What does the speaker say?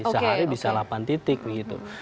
sehari bisa delapan titik begitu